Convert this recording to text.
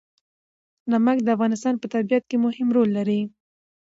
نمک د افغانستان په طبیعت کې مهم رول لري.